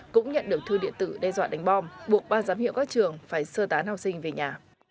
cũng nhận được thư điện tử đe dọa đánh bom buộc ba giám hiệu các trường phải sơ tán học sinh về nhà